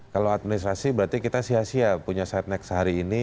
kalau administrasi berarti kita sia sia punya setnek sehari ini